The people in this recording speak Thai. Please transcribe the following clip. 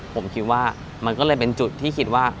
ผมคิดว่ามันก็เลยเป็นจุดที่คิดว่า